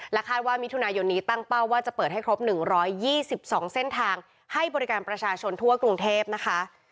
คาดว่ามิถุนายนนี้ตั้งเป้าว่าจะเปิดให้ครบ๑๒๒เส้นทางให้บริการประชาชนทั่วกรุงเทพนะคะ